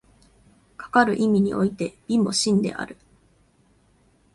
かかる意味において美も真である。